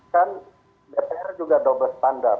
kan dpr juga double standard